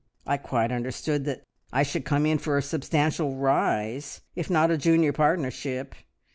I quite understood that I should come in for a substantial rise, if not a junior partnership.